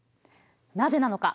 なぜなのか？